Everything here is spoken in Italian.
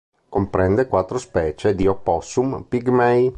Comprende quattro specie di opossum pigmei.